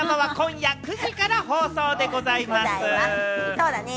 そうだよ！